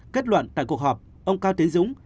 kết luận tại cuộc họp ông cao tiến dũng